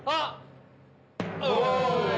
お！